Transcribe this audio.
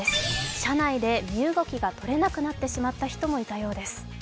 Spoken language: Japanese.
車内で身動きが取れなくなってしまった人もいたようです。